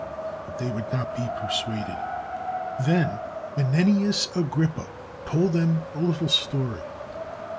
But theywould not be persuaded. Then Menenius Agrippa told them a little story.